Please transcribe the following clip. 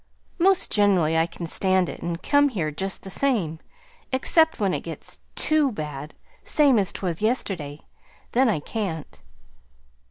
"Most generally I can stand it and come here just the same, except when it gets TOO bad, same as 'twas yesterday. Then I can't."